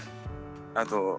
あと。